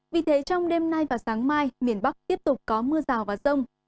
vì thế trong đêm nay và sáng mai miền bắc tiếp tục có mưa rào và rông